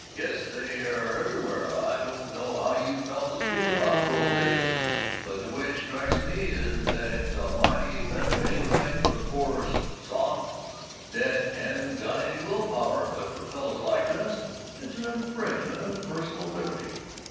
Guess they are everywhere. I don't know how you fellows feel about prohibition, but the way it strikes me is that it's a mighty beneficial thing for the poor zob that hasn't got any will power but for fellows like us, it's an infringement of personal liberty."